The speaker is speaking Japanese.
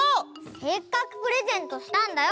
せっかくプレゼントしたんだよ！